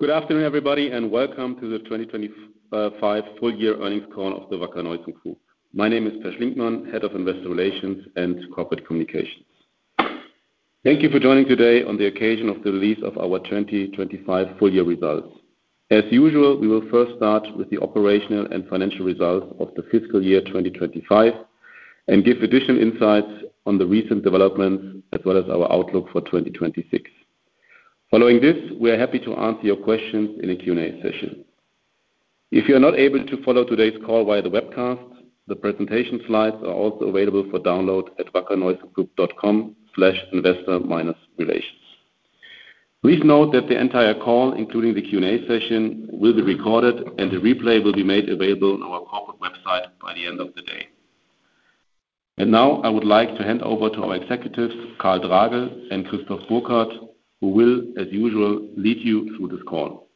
Good afternoon, everybody, and welcome to the 2025 Full Year Earnings Call of the Wacker Neuson Group. My name is Peer Schlinkmann, Head of Investor Relations and Corporate Communications. Thank you for joining today on the occasion of the release of our 2025 full year results. As usual, we will first start with the operational and financial results of the fiscal year 2025 and give additional insights on the recent developments as well as our outlook for 2026. Following this, we are happy to answer your questions in a Q&A session. If you're not able to follow today's call via the webcast, the presentation slides are also available for download at wackerneusongroup.com/investor-relations. Please note that the entire call, including the Q&A session, will be recorded and the replay will be made available on our corporate website by the end of the day. Now I would like to hand over to our executives, Karl Tragl and Christoph Burkhard, who will, as usual, lead you through this call.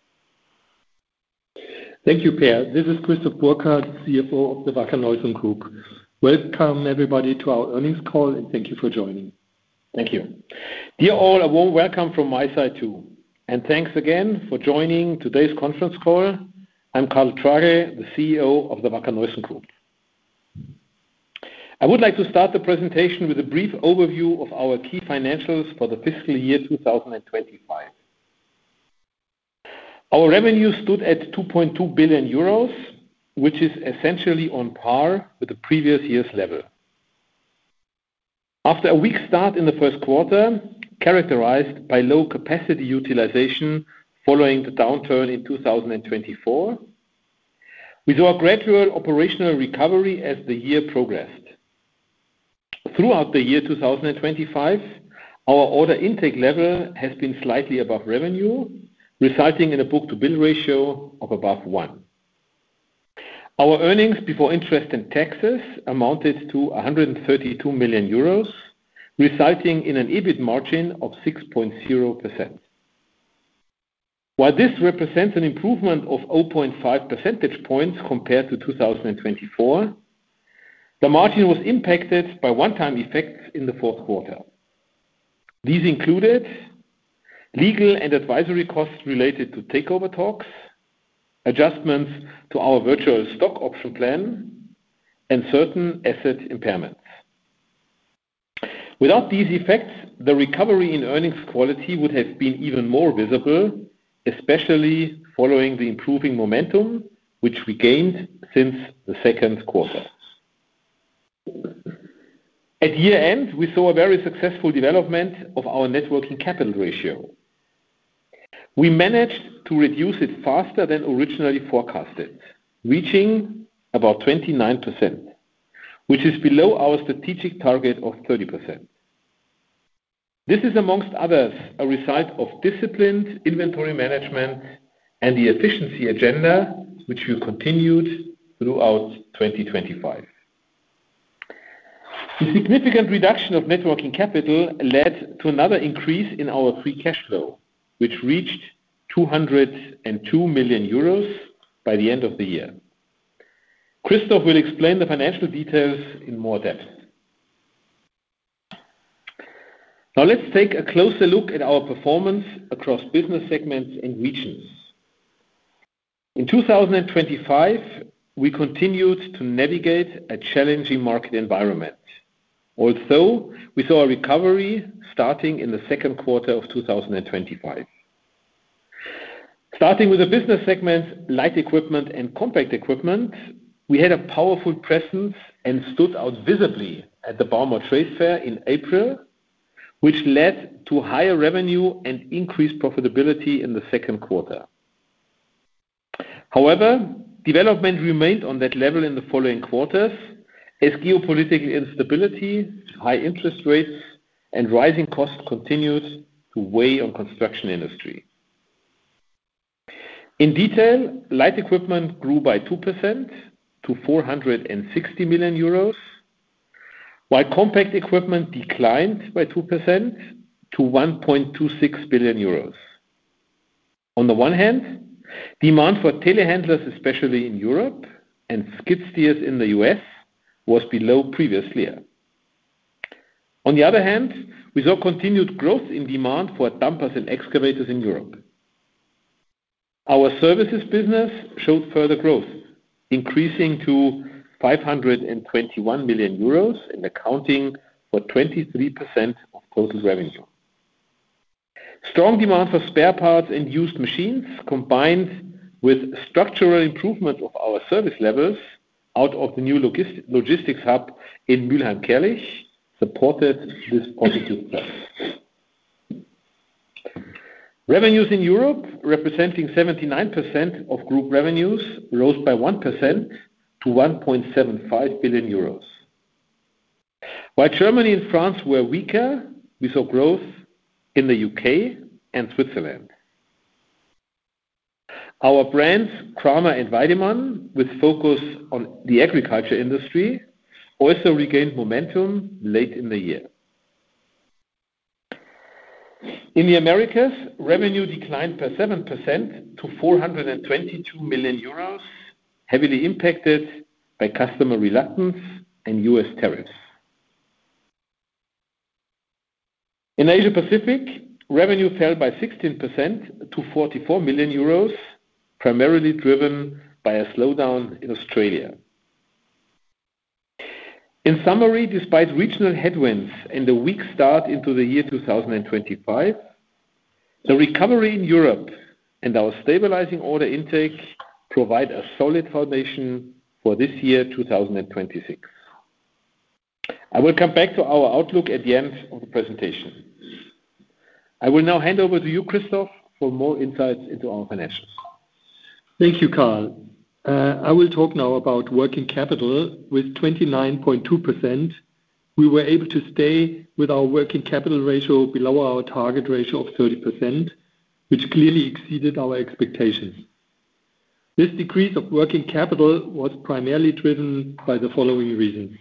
Thank you, Peer. This is Christoph Burkhard, Chief Financial Officer of the Wacker Neuson Group. Welcome everybody to our earnings call and thank you for joining. Thank you. Dear all, a warm welcome from my side too, and thanks again for joining today's conference call. I'm Karl Tragl, the Chief Executive Officer of the Wacker Neuson Group. I would like to start the presentation with a brief overview of our key financials for the fiscal year 2025. Our revenue stood at 2.2 billion euros, which is essentially on par with the previous year's level. After a weak start in the first quarter, characterized by low capacity utilization following the downturn in 2024, we saw a gradual operational recovery as the year progressed. Throughout the year 2025, our order intake level has been slightly above revenue, resulting in a book-to-bill ratio of above one. Our earnings before interest and taxes amounted to 132 million euros, resulting in an EBIT margin of 6.0%. While this represents an improvement of 0.5 percentage points compared to 2024, the margin was impacted by one-time effects in the fourth quarter. These included legal and advisory costs related to takeover talks, adjustments to our virtual stock option plan and certain asset impairments. Without these effects, the recovery in earnings quality would have been even more visible, especially following the improving momentum which we gained since the second quarter. At year-end, we saw a very successful development of our net working capital ratio. We managed to reduce it faster than originally forecasted, reaching about 29%, which is below our strategic target of 30%. This is, among others, a result of disciplined inventory management and the efficiency agenda which we've continued throughout 2025. The significant reduction of net working capital led to another increase in our free cash flow, which reached 202 million euros by the end of the year. Christoph will explain the financial details in more depth. Now let's take a closer look at our performance across business segments and regions. In 2025, we continued to navigate a challenging market environment, although we saw a recovery starting in the second quarter of 2025. Starting with the business segments, light equipment and compact equipment, we had a powerful presence and stood out visibly at the bauma trade fair in April, which led to higher revenue and increased profitability in the second quarter. However, development remained on that level in the following quarters as geopolitical instability, high interest rates, and rising costs continued to weigh on construction industry. In detail, light equipment grew by 2% to 460 million euros, while compact equipment declined by 2% to 1.26 billion euros. On the one hand, demand for telehandlers, especially in Europe and skid steers in the U.S. was below previous year. On the other hand, we saw continued growth in demand for dumpers and excavators in Europe. Our services business showed further growth, increasing to 521 million euros and accounting for 23% of total revenue. Strong demand for spare parts and used machines, combined with structural improvement of our service levels out of the new logistics hub in Mühlheim-Kärlich supported this positive trend. Revenues in Europe, representing 79% of group revenues, rose by 1% to 1.75 billion euros. While Germany and France were weaker, we saw growth in the U.K. and Switzerland. Our brands, Kramer and Weidemann, with focus on the agriculture industry, also regained momentum late in the year. In the Americas, revenue declined by 7% to 422 million euros, heavily impacted by customer reluctance and U.S. tariffs. In Asia Pacific, revenue fell by 16% to 44 million euros, primarily driven by a slowdown in Australia. In summary, despite regional headwinds and a weak start into the year 2025, the recovery in Europe and our stabilizing order intake provide a solid foundation for this year, 2026. I will come back to our outlook at the end of the presentation. I will now hand over to you, Christoph, for more insights into our financials. Thank you, Karl. I will talk now about working capital. With 29.2%, we were able to stay with our working capital ratio below our target ratio of 30%, which clearly exceeded our expectations. This decrease of working capital was primarily driven by the following reasons.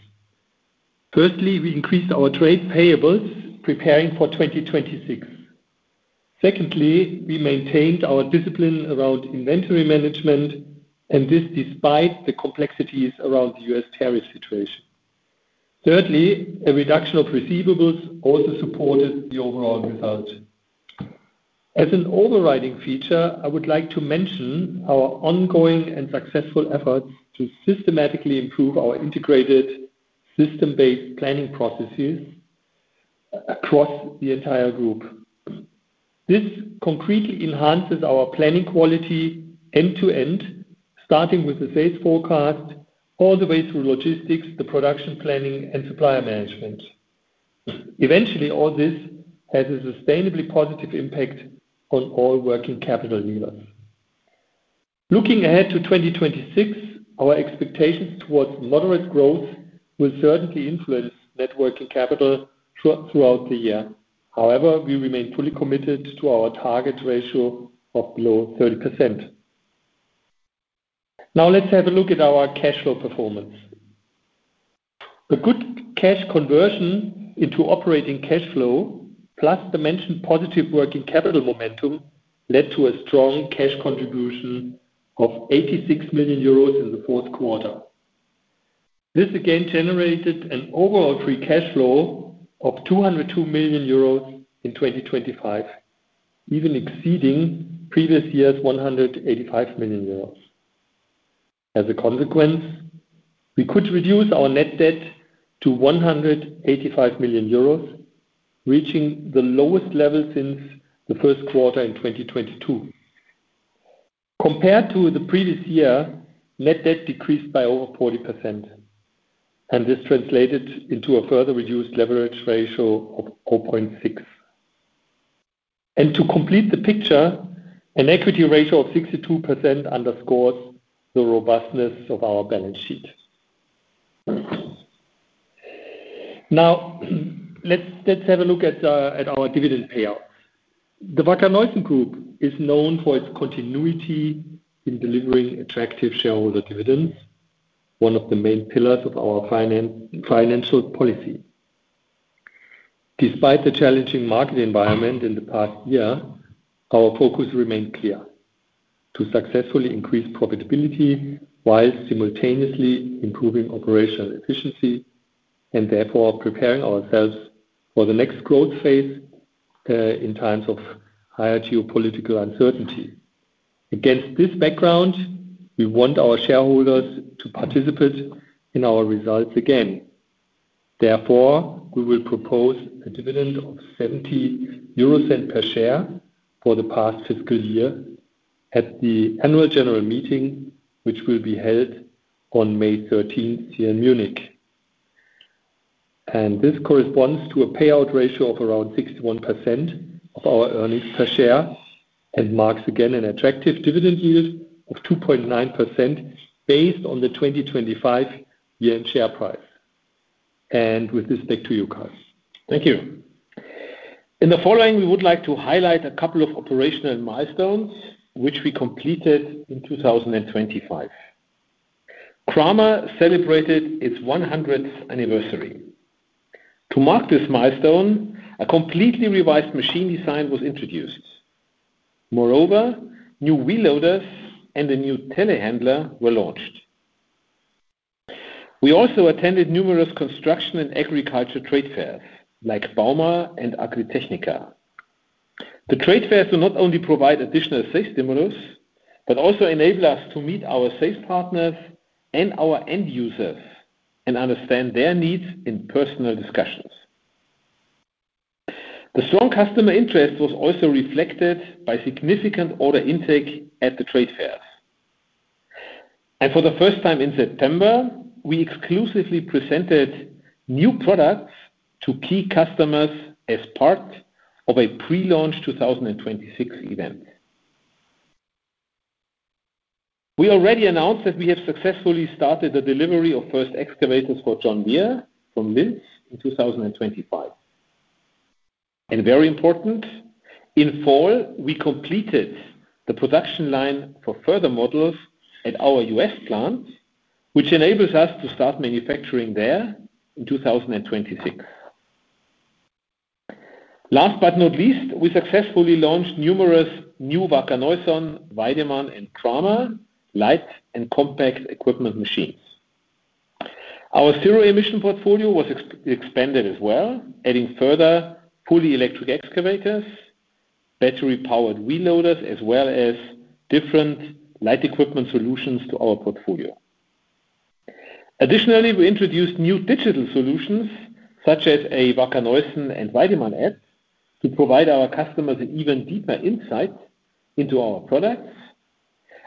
Firstly, we increased our trade payables preparing for 2026. Secondly, we maintained our discipline around inventory management, and this despite the complexities around the U.S. tariff situation. Thirdly, a reduction of receivables also supported the overall results. As an overriding feature, I would like to mention our ongoing and successful efforts to systematically improve our integrated system-based planning processes across the entire group. This concretely enhances our planning quality end to end, starting with the sales forecast all the way through logistics, the production planning and supplier management. Eventually, all this has a sustainably positive impact on all working capital levers. Looking ahead to 2026, our expectations towards moderate growth will certainly influence net working capital throughout the year. However, we remain fully committed to our target ratio of below 30%. Now let's have a look at our cash flow performance. A good cash conversion into operating cash flow, plus the mentioned positive working capital momentum, led to a strong cash contribution of 86 million euros in the fourth quarter. This again generated an overall free cash flow of 202 million euros in 2025, even exceeding previous year's 185 million euros. As a consequence, we could reduce our net debt to 185 million euros, reaching the lowest level since the first quarter in 2022. Compared to the previous year, net debt decreased by over 40%, and this translated into a further reduced leverage ratio of 4.6. To complete the picture, an equity ratio of 62% underscores the robustness of our balance sheet. Now, let's have a look at our dividend payout. The Wacker Neuson Group is known for its continuity in delivering attractive shareholder dividends, one of the main pillars of our financial policy. Despite the challenging market environment in the past year, our focus remained clear: to successfully increase profitability while simultaneously improving operational efficiency and therefore preparing ourselves for the next growth phase in times of higher geopolitical uncertainty. Against this background, we want our shareholders to participate in our results again. Therefore, we will propose a dividend of 0.70 per share for the past fiscal year at the annual general meeting, which will be held on May 13, here in Munich. This corresponds to a payout ratio of around 61% of our earnings per share and marks again an attractive dividend yield of 2.9% based on the 2025 year-end share price. With this, back to you, Karl. Thank you. In the following, we would like to highlight a couple of operational milestones which we completed in 2025. Kramer celebrated its 100th anniversary. To mark this milestone, a completely revised machine design was introduced. Moreover, new wheel loaders and a new telehandler were launched. We also attended numerous construction and agriculture trade fairs, like bauma and Agritechnica. The trade fairs do not only provide additional sales stimulus, but also enable us to meet our sales partners and our end users and understand their needs in personal discussions. The strong customer interest was also reflected by significant order intake at the trade fairs. For the first time in September, we exclusively presented new products to key customers as part of a pre-launch 2026 event. We already announced that we have successfully started the delivery of first excavators for John Deere from Linz in 2025. Very important, in fall, we completed the production line for further models at our U.S. plant, which enables us to start manufacturing there in 2026. Last but not least, we successfully launched numerous new Wacker Neuson, Weidemann, and Kramer light and compact equipment machines. Our zero emission portfolio was expanded as well, adding further fully electric excavators, battery powered wheel loaders, as well as different light equipment solutions to our portfolio. Additionally, we introduced new digital solutions such as a Wacker Neuson and Weidemann app to provide our customers an even deeper insight into our products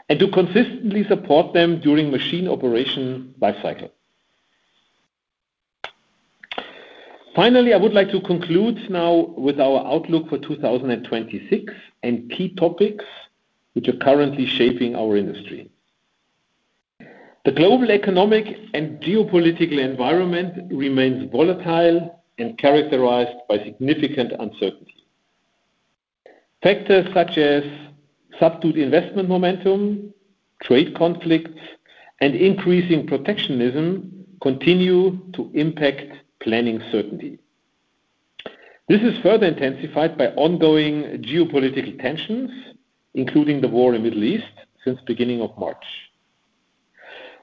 and to consistently support them during machine operation life cycle. Finally, I would like to conclude now with our outlook for 2026 and key topics which are currently shaping our industry. The global economic and geopolitical environment remains volatile and characterized by significant uncertainty. Factors such as subdued investment momentum, trade conflicts, and increasing protectionism continue to impact planning certainty. This is further intensified by ongoing geopolitical tensions, including the war in Middle East since beginning of March.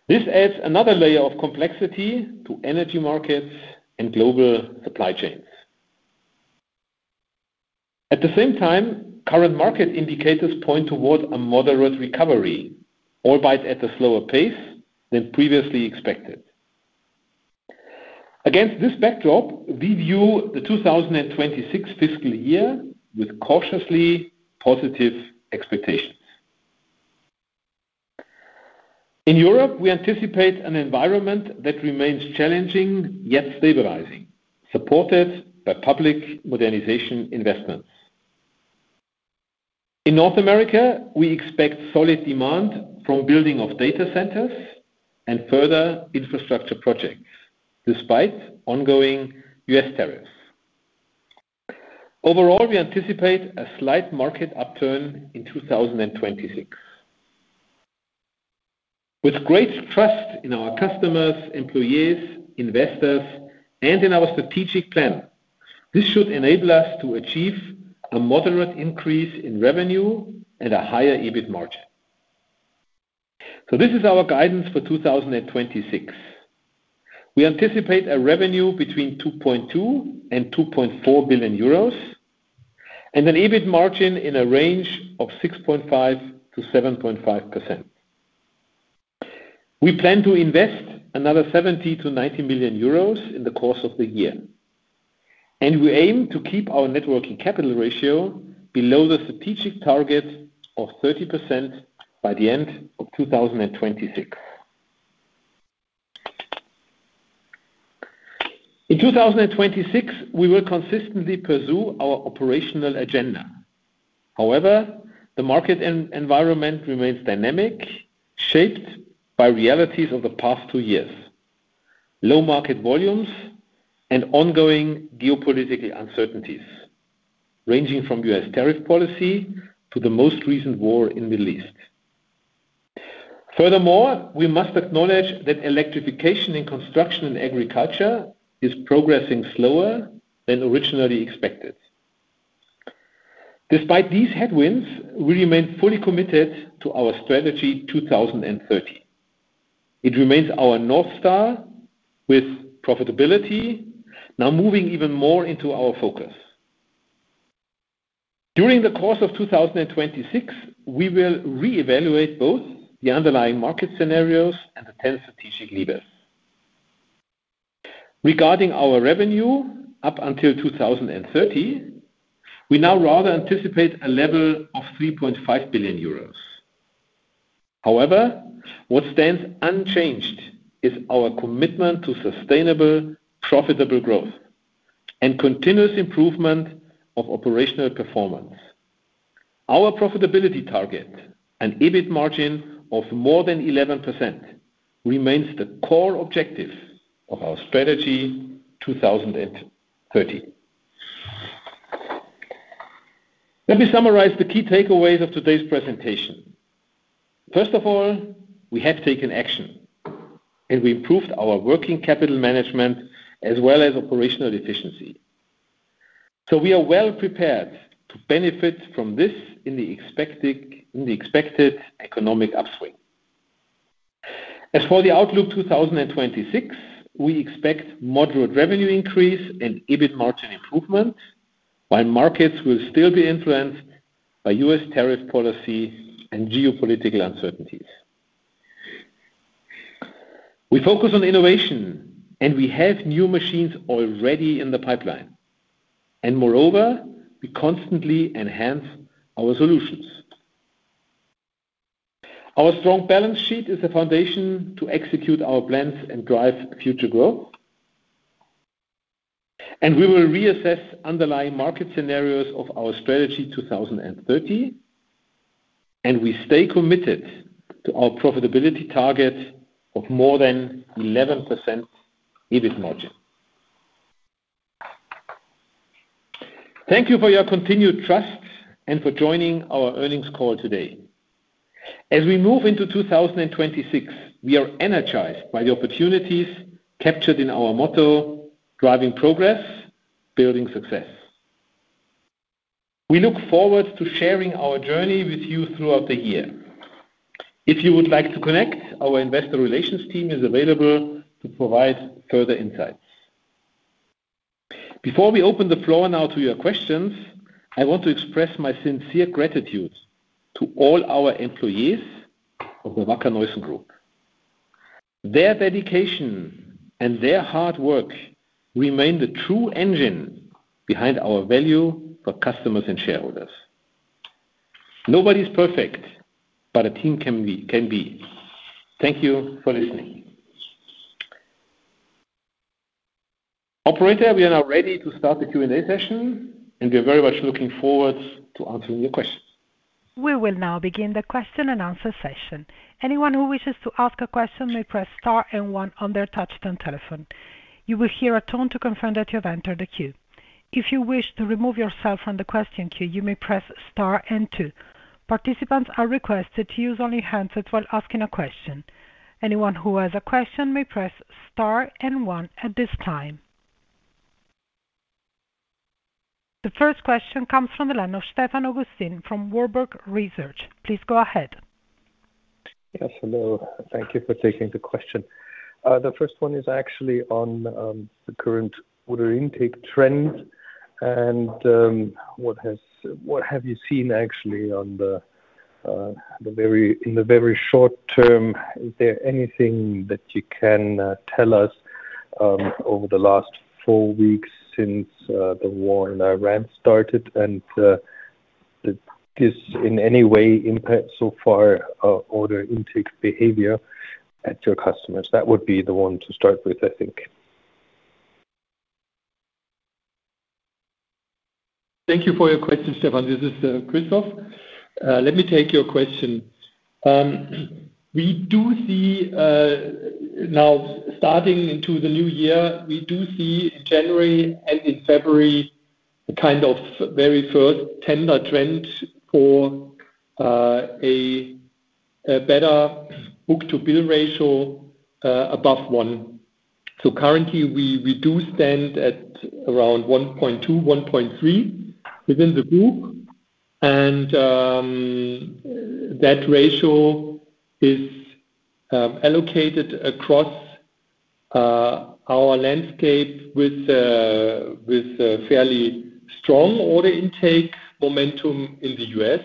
This adds another layer of complexity to energy markets and global supply chains. At the same time, current market indicators point towards a moderate recovery, albeit at a slower pace than previously expected. Against this backdrop, we view the 2026 fiscal year with cautiously positive expectations. In Europe, we anticipate an environment that remains challenging, yet stabilizing, supported by public modernization investments. In North America, we expect solid demand from building of data centers and further infrastructure projects despite ongoing U.S. tariffs. Overall, we anticipate a slight market upturn in 2026. With great trust in our customers, employees, investors, and in our strategic plan, this should enable us to achieve a moderate increase in revenue and a higher EBIT margin. This is our guidance for 2026. We anticipate a revenue between 2.2 billion and 2.4 billion euros and an EBIT margin in a range of 6.5%-7.5%. We plan to invest another 70 million-90 million euros in the course of the year, and we aim to keep our net working capital ratio below the strategic target of 30% by the end of 2026. In 2026, we will consistently pursue our operational agenda. However, the market environment remains dynamic, shaped by realities of the past two years, low market volumes and ongoing geopolitical uncertainties ranging from U.S. tariff policy to the most recent war in Middle East. Furthermore, we must acknowledge that electrification in construction and agriculture is progressing slower than originally expected. Despite these headwinds, we remain fully committed to our Strategy 2030. It remains our North Star with profitability now moving even more into our focus. During the course of 2026, we will reevaluate both the underlying market scenarios and the 10 strategic levers. Regarding our revenue up until 2030, we now rather anticipate a level of 3.5 billion euros. However, what stands unchanged is our commitment to sustainable, profitable growth and continuous improvement of operational performance. Our profitability target, an EBIT margin of more than 11%, remains the core objective of our Strategy 2030. Let me summarize the key takeaways of today's presentation. First of all, we have taken action and we improved our working capital management as well as operational efficiency. We are well prepared to benefit from this in the expected economic upswing. As for the outlook 2026, we expect moderate revenue increase and EBIT margin improvement while markets will still be influenced by U.S. tariff policy and geopolitical uncertainties. We focus on innovation and we have new machines already in the pipeline. Moreover, we constantly enhance our solutions. Our strong balance sheet is a foundation to execute our plans and drive future growth. We will reassess underlying market scenarios of our Strategy 2030, and we stay committed to our profitability target of more than 11% EBIT margin. Thank you for your continued trust and for joining our earnings call today. As we move into 2026, we are energized by the opportunities captured in our motto, driving progress, building success. We look forward to sharing our journey with you throughout the year. If you would like to connect, our investor relations team is available to provide further insights. Before we open the floor now to your questions, I want to express my sincere gratitude to all our employees of the Wacker Neuson Group. Their dedication and their hard work remain the true engine behind our value for customers and shareholders. Nobody's perfect, but a team can be. Thank you for listening. Operator, we are now ready to start the Q&A session, and we are very much looking forward to answering your questions. We will now begin the question and answer session. Anyone who wishes to ask a question may press star and one on their touchtone telephone. You will hear a tone to confirm that you have entered the queue. If you wish to remove yourself from the question queue, you may press star and two. Participants are requested to use only handsets while asking a question. Anyone who has a question may press star and one at this time. The first question comes from the line of Stefan Augustin from Warburg Research. Please go ahead. Yes, hello. Thank you for taking the question. The first one is actually on the current order intake trends and what have you seen actually in the very short term, is there anything that you can tell us over the last four weeks since the war in Iran started and did this in any way impact so far order intake behavior at your customers? That would be the one to start with, I think. Thank you for your question, Stefan. This is Christoph. Let me take your question. We see now starting into the new year in January and in February a kind of very first tentative trend for a better book-to-bill ratio above one. Currently we stand at around 1.2, 1.3 within the group. That ratio is allocated across our landscape with fairly strong order intake momentum in the U.S.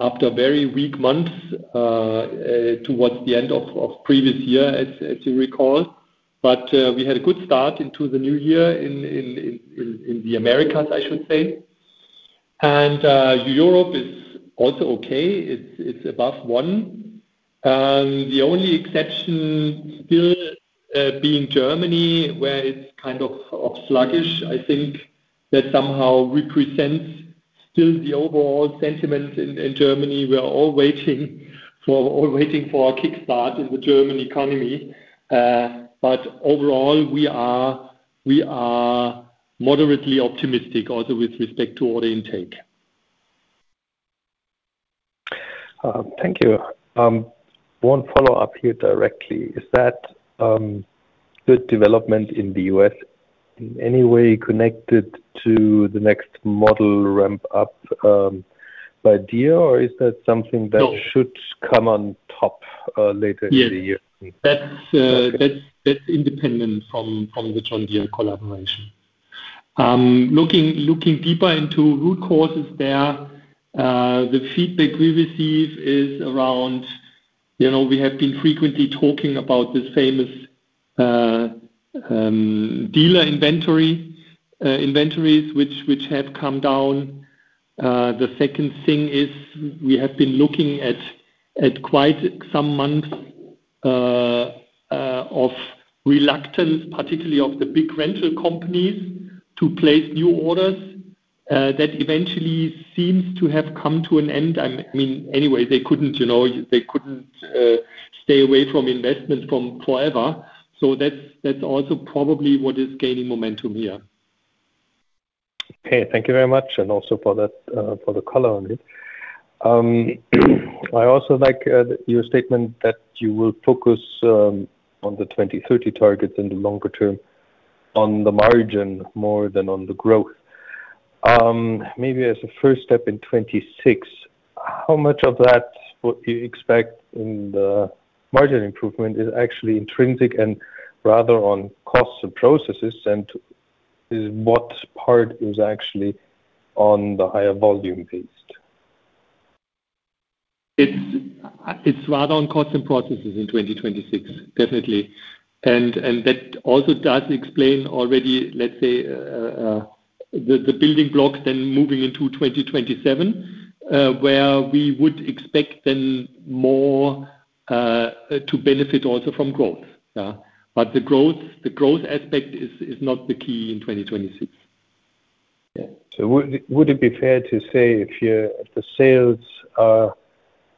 after very weak months towards the end of previous year, as you recall. We had a good start into the new year in the Americas, I should say. Europe is also okay. It's above 1. The only exception still being Germany, where it's kind of sluggish. I think that somehow represents still the overall sentiment in Germany. We are all waiting for a kick start in the German economy. Overall, we are moderately optimistic also with respect to order intake. Thank you. One follow-up here directly. Is that good development in the U.S. in any way connected to the next model ramp up by Deere or is that something that? No. Should come on top later in the year? Yes. That's independent from the John Deere collaboration. Looking deeper into root causes there, the feedback we receive is around, you know, we have been frequently talking about this famous dealer inventory, inventories which have come down. The second thing is we have been looking at quite some months of reluctance, particularly of the big rental companies, to place new orders, that eventually seems to have come to an end. I mean, anyway, they couldn't, you know, stay away from investment from forever. That's also probably what is gaining momentum here. Okay. Thank you very much, and also for that, for the color on it. I also like your statement that you will focus on the 2030 targets in the longer term on the margin more than on the growth. Maybe as a first step in 2026, how much of that would you expect in the margin improvement is actually intrinsic and rather on costs and processes, and what part is actually on the higher volume piece? It's rather on costs and processes in 2026. Definitely. That also does explain already, let's say, the building block then moving into 2027, where we would expect then more to benefit also from growth. Yeah. The growth aspect is not the key in 2026. Yeah. Would it be fair to say if the sales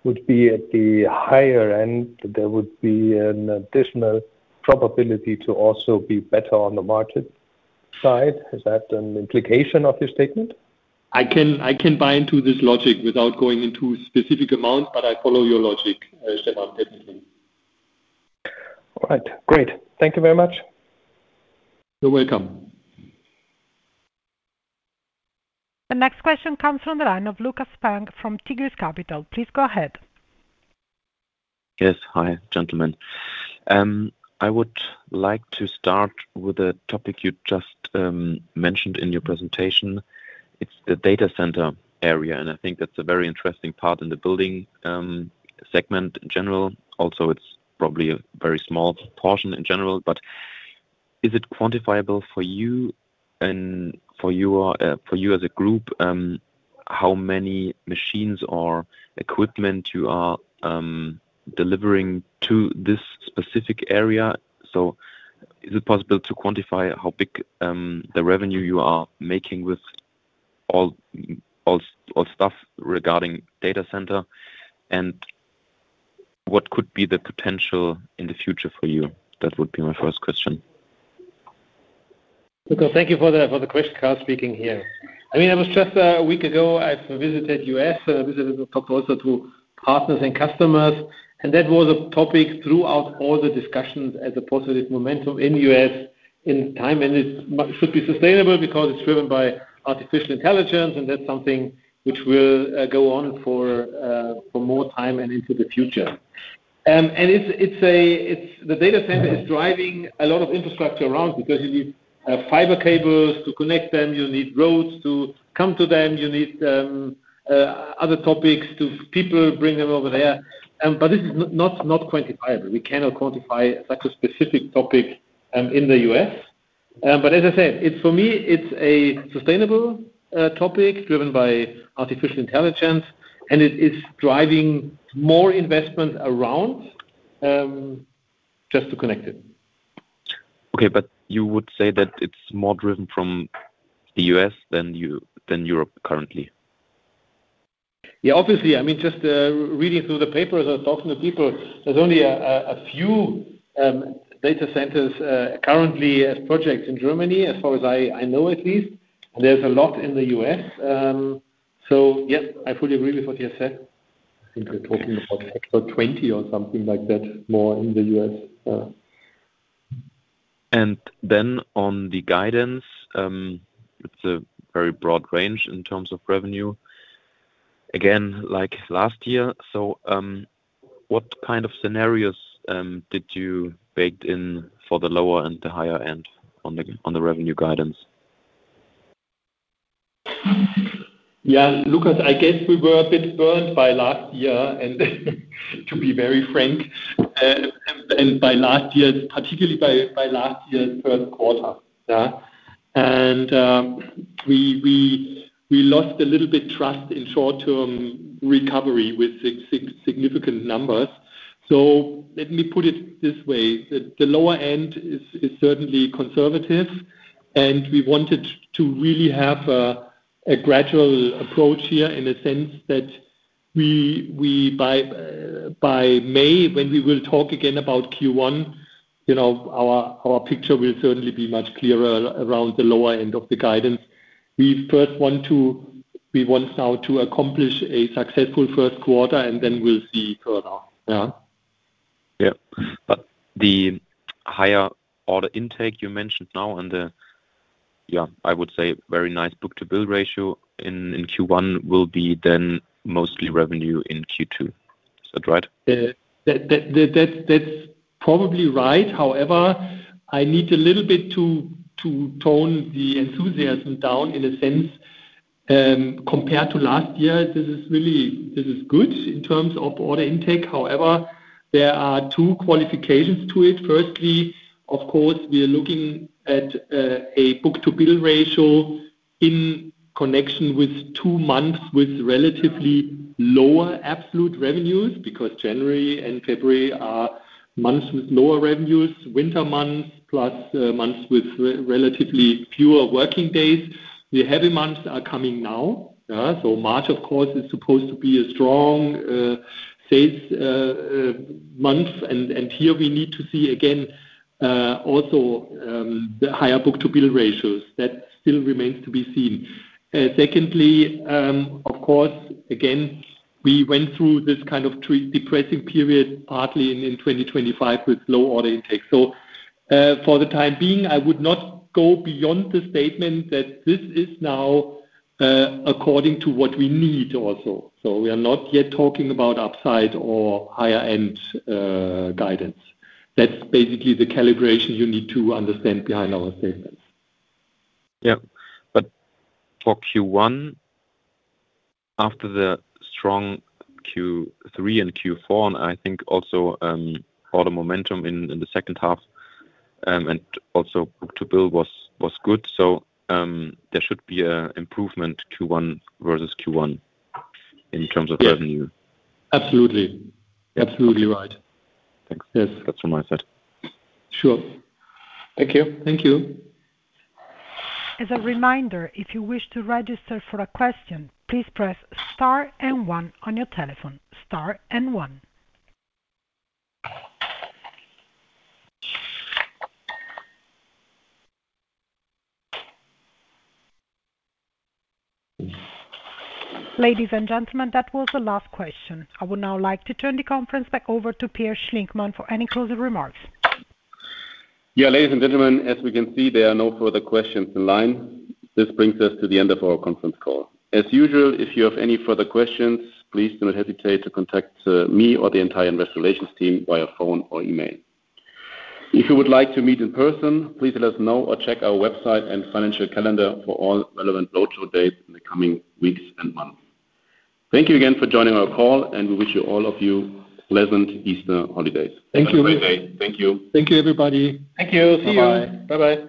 would be at the higher end, there would be an additional probability to also be better on the margin side? Is that an implication of your statement? I can buy into this logic without going into specific amounts, but I follow your logic, Stefan, definitely. All right, great. Thank you very much. You're welcome. The next question comes from the line of Lukas Spang from Tigris Capital. Please go ahead. Yes. Hi, gentlemen. I would like to start with a topic you just mentioned in your presentation. It's the data center area, and I think that's a very interesting part in the building segment in general. Also, it's probably a very small portion in general, but is it quantifiable for you as a group how many machines or equipment you are delivering to this specific area? So is it possible to quantify how big the revenue you are making with all stuff regarding data center? And what could be the potential in the future for you? That would be my first question. Lukas, thank you for the question. Karl speaking here. I mean, it was just a week ago, I visited U.S., and I also visited a couple of partners and customers, and that was a topic throughout all the discussions as a positive momentum in U.S. in time, and it should be sustainable because it's driven by artificial intelligence, and that's something which will go on for more time and into the future. It's the data center is driving a lot of infrastructure around because you need fiber cables to connect them, you need roads to come to them, you need other topics to people bring them over there. It's not quantifiable. We cannot quantify like a specific topic in the U.S., but as I said, it's for me, it's a sustainable topic driven by artificial intelligence, and it is driving more investment around, just to connect it. Okay. You would say that it's more driven from the U.S. than Europe currently? Yeah, obviously. I mean, just reading through the papers or talking to people, there's only a few data centers currently as projects in Germany, as far as I know at least. There's a lot in the U.S. Yes, I fully agree with what you said. I think we're talking about 20 or something like that more in the U.S. On the guidance, it's a very broad range in terms of revenue. Again, like last year. What kind of scenarios did you bake in for the lower and the higher end on the revenue guidance? Yeah. Lukas, I guess we were a bit burned by last year, and to be very frank, and by last year, particularly by last year's third quarter. Yeah. We lost a little bit trust in short-term recovery with significant numbers. So let me put it this way, the lower end is certainly conservative, and we wanted to really have a gradual approach here in a sense that we by May, when we will talk again about Q1, you know, our picture will certainly be much clearer around the lower end of the guidance. We want now to accomplish a successful first quarter, and then we'll see further. Yeah. Yeah. The higher order intake you mentioned now and the, yeah, I would say very nice book-to-bill ratio in Q1 will be then mostly revenue in Q2. Is that right? Yeah. That's probably right. However, I need a little bit to tone the enthusiasm down in a sense. Compared to last year, this is good in terms of order intake. However, there are two qualifications to it. Firstly, of course, we are looking at a book-to-bill ratio in connection with two months with relatively lower absolute revenues because January and February are months with lower revenues, winter months, plus months with relatively fewer working days. The heavy months are coming now. March, of course, is supposed to be a strong sales month, and here we need to see again also the higher book-to-bill ratios. That still remains to be seen. Secondly, of course, again, we went through this kind of depressing period partly in 2025 with low order intake. For the time being, I would not go beyond the statement that this is now according to what we need also. We are not yet talking about upside or higher end guidance. That's basically the calibration you need to understand behind our statements. Yeah. For Q1, after the strong Q3 and Q4, I think also order momentum in the second half, and also book to bill was good. There should be an improvement Q1 versus Q1 in terms of revenue. Yes. Absolutely right. Thanks. Yes. That's from my side. Sure. Thank you. Thank you. Ladies and gentlemen, that was the last question. I would now like to turn the conference back over to Peer Schlinkmann for any closing remarks. Yeah. Ladies and gentlemen, as we can see, there are no further questions in line. This brings us to the end of our conference call. As usual, if you have any further questions, please do not hesitate to contact me or the entire investor relations team via phone or email. If you would like to meet in person, please let us know or check our website and financial calendar for all relevant roadshow dates in the coming weeks and months. Thank you again for joining our call, and we wish you all of you pleasant Easter holidays. Thank you. Have a great day. Thank you. Thank you, everybody. Thank you. See you. Bye-bye. Bye-bye.